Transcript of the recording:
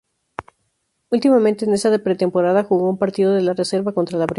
Últimamente en esta pretemporada jugó un partido de la reserva contra la Primera.